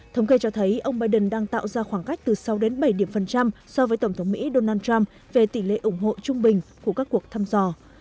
thống kê cho thấy ông biden đang tạo ra khoảng cách từ sáu đến bảy điểm phần trăm so với tổng thống mỹ donald trump về tỷ lệ ủng hộ trung bình của các cuộc thăm dò